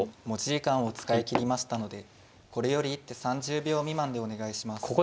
持ち時間を使い切りましたのでこれより一手３０秒未満でお願いします。